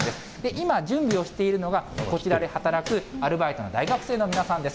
今、準備をしているのが、こちらで働くアルバイトの大学生の皆さんです。